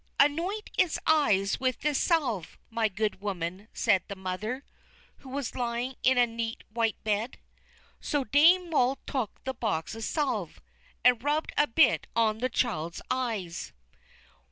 "Anoint its eyes with this salve, my good woman," said the mother, who was lying in a neat white bed. So Dame Moll took the box of salve, and rubbed a bit on the child's eyes.